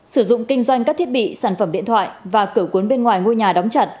sử dụng kinh doanh các thiết bị sản phẩm điện thoại và cửa cuốn bên ngoài ngôi nhà đóng chặt